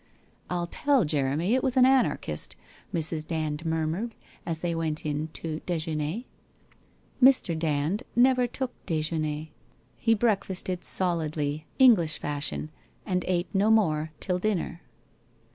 ' I'll tell Jeremy it was an anarchist,' Mrs. Dand mur mured, as they went in to dejeuner. Mr. Dand never took dejeuner. He breakfasted solidly, English fashion, and ate no more till dinner.